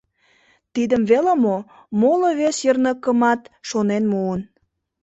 Тидым веле мо, моло-вес йырныкымат шонен муын.